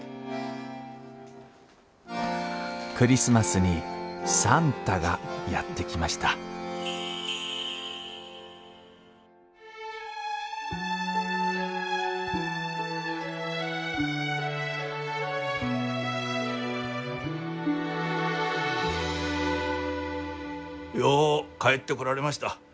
クリスマスに算太がやって来ましたよう帰ってこられました。